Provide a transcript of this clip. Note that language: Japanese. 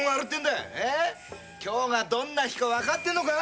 今日がどんな日か分かってるのか！